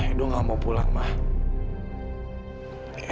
edo tidak mau pulang mbak